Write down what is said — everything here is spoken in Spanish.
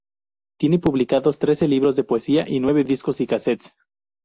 Tiene publicados trece libros de poesía y nueve discos y cassettes.